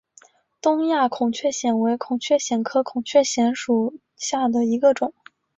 东亚孔雀藓为孔雀藓科孔雀藓属下的一个种。